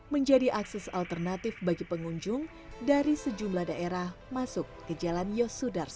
menjadi akses alternatif bagi pengunjung dari sejumlah daerah masuk ke jalan yosudarsono